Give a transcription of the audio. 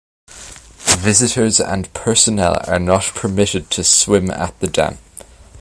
Visitors and personnel are not permitted to swim at the dam.